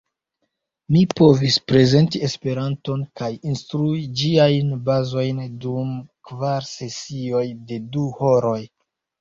Mi povis prezenti Esperanton kaj instrui ĝiajn bazojn dum kvar sesioj de du horoj.